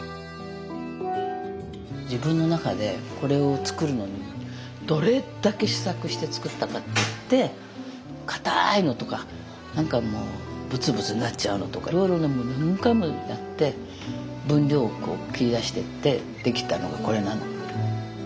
自分の中でこれを作るのにどれだけ試作して作ったかっていってかたいのとか何かもうブツブツなっちゃうのとかいろいろ何回もやって分量切り出してって出来たのがこれなの。